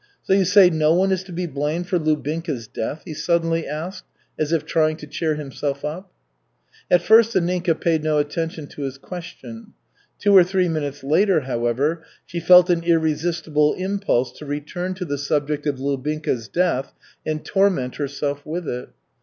"So you say no one is to be blamed for Lubinka's death?" he suddenly asked, as if trying to cheer himself up. At first Anninka paid no attention to his question. Two or three minutes later, however, she felt an irresistible impulse to return to the subject of Lubinka's death and torment herself with it.